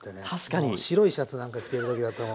もう白いシャツなんか着てる時だともう。